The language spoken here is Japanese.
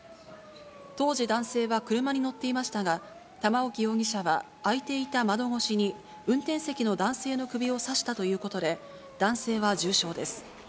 当時、男性は車に乗っていましたが、玉置容疑者は開いていた窓越しに運転席の男性の首を刺したということで、男性は重傷です。